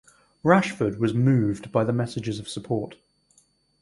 Rashford was moved by the messages of support.